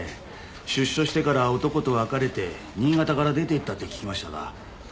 出所してから男と別れて新潟から出て行ったって聞きましたが。